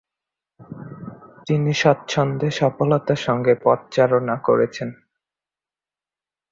তিনি স্বচ্ছন্দে সফলতার সঙ্গে পদচারণা করেছেন।